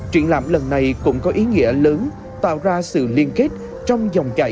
truyện lạm lần này cũng có ý nghĩa lớn tạo ra sự liên kết trong dòng trải